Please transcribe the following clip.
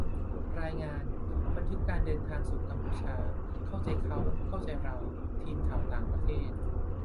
รายงาน : บันทึกการเดินทางสู่กัมพูชา เข้าใจเขา-เข้าใจเรา : ทีมข่าวต่างประเทศ